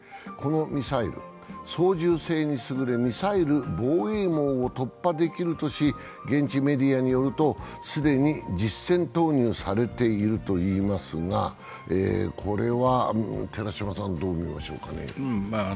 このミサイル、操縦性に優れ、ミサイル防衛網を突破できるとし、現地メディアによると既に実戦投入されているといいますが、寺島さん、どう見ましょうか？